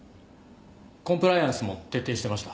コンプライアンスも徹底してました。